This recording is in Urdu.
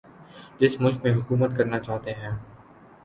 جس ملک میں حکومت کرنا چاہتے ہیں